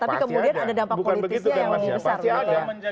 tapi kemudian ada dampak politisnya yang lebih besar